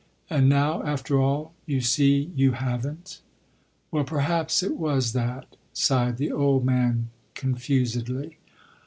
"And now after all you see you haven't." "Well, perhaps it was that," sighed the old man confusedly.